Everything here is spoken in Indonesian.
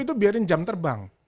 itu biarin jam terbang